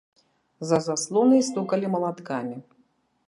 За заслонай стукалі малаткамі.